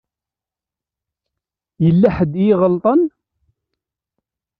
Yella ḥedd i iɣelṭen.